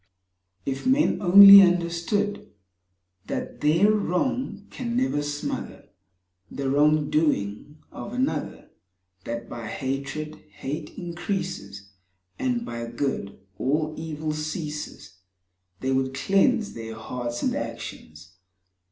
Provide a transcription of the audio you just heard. If men only understood That their wrong can never smother The wrong doing of another ; That by hatred hate increases, And by Good all evil ceases, They would cleanse their hearts and actions.